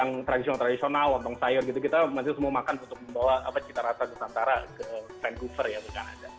yang tradisional tradisional lontong sayur gitu kita masih semua makan untuk membawa cita rasa nusantara ke vancouver ya bukan ada